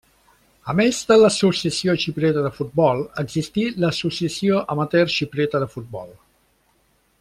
A més de l'Associació Xipriota de Futbol existí l'Associació Amateur Xipriota de Futbol.